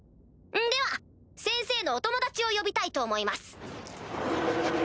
では先生のお友達を呼びたいと思います。